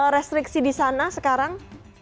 restriksi di sana sekarang